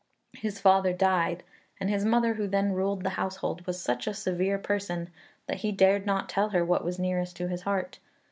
His father died, and his mother who then ruled the household was such a severe person that he dared not tell her what was nearest to his heart.